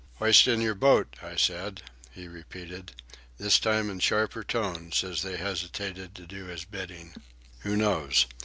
"Hoist in your boat, I said," he repeated, this time in sharper tones as they hesitated to do his bidding. "Who knows?